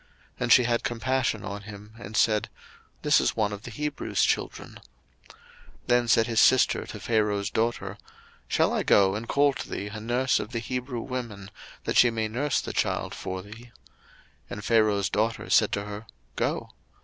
And she had compassion on him, and said, This is one of the Hebrews' children. 02:002:007 Then said his sister to Pharaoh's daughter, Shall I go and call to thee a nurse of the Hebrew women, that she may nurse the child for thee? 02:002:008 And Pharaoh's daughter said to her, Go.